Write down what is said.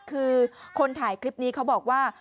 คือคนถ่ายคลิปนี้เขาบอกว่า